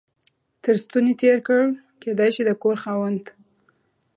تر ستوني تېر کړ، کېدای شي د کور خاوند.